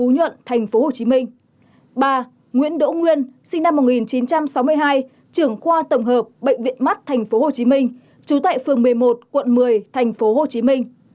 ba nguyễn đỗ nguyên sinh năm một nghìn chín trăm sáu mươi hai trưởng khoa tổng hợp bệnh viện mắt tp hcm